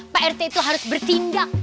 pak rt itu harus bertindak